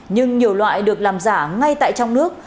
nhưng nhiều loại được làm giả ngay tại trong nước